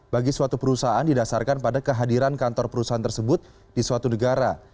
bagi suatu perusahaan didasarkan pada kehadiran kantor perusahaan tersebut di suatu negara